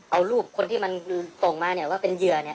เอารูปคนที่มันส่งมาเนี่ยว่าเป็นเหยื่อเนี่ย